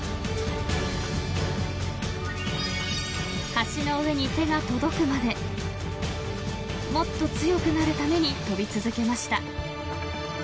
［橋の上に手が届くまでもっと強くなるために跳び続けました］